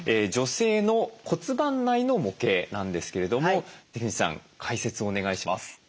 女性の骨盤内の模型なんですけれども関口さん解説をお願いします。